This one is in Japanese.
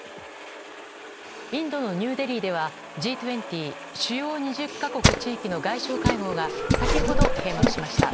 インドのニューデリーではＧ２０・主要２０か国・地域の外相会合が先ほど閉幕しました。